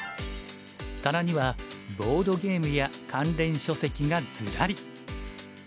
棚にはボードゲームや関連書籍がずらり。